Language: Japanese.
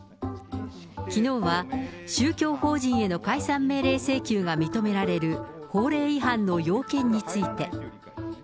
きのうは宗教法人への解散命令請求が認められる法令違反の要件について。